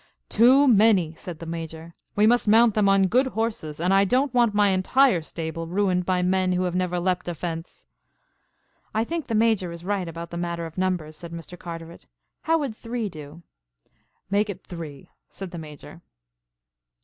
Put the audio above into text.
"Too many!" said the Major. "We must mount them on good horses and I don't want my entire stable ruined by men who have never lepped a fence." "I think the Major is right about the matter of numbers," said Mr. Carteret. "How would three do?" "Make it three," said the Major.